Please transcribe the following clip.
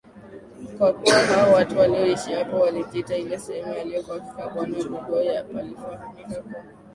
kwakuwa hao watu walioishi hapo walijita ile sehemu aliyokuwa akikaa bwana Bugoye palifahamika kwa